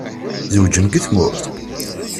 Zewǧen deg tmurt?